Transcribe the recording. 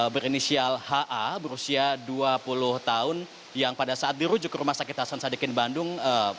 berinisial ha berusia dua puluh tahun yang pada saat dirujuk ke rumah sakit hasan sadikin bandung